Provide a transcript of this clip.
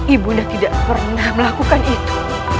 ibunda tidak pernah melakukan itu